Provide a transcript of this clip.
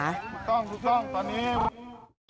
ทุกตอนนี้